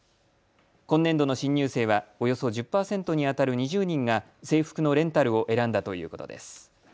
今年度の新入生はおよそ１０％にあたる２０人が制服のレンタルを選んだということです。